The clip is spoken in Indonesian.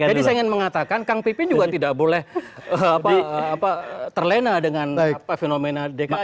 jadi saya ingin mengatakan kang pipin juga tidak boleh terlena dengan fenomena dekat